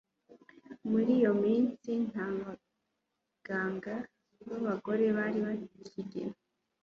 muri iyo minsi nta baganga b'abagore bari bakigira